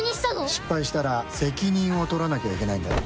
失敗したら責任を取らなきゃいけないんだよ。